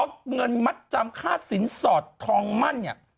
เงินมัดจำค่าสินสอดทองมั่นเนี่ย